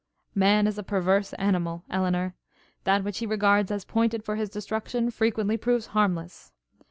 'Man is a perverse animal, Elinor; that which he regards as pointed for his destruction, frequently proves harmless.